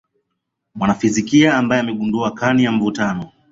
mwanafizikia ambaye amegundua kani mvutano